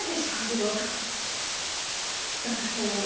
だからそれをね。